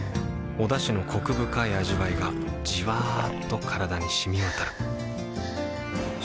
おだしのコク深い味わいがじわっと体に染み渡るはぁ。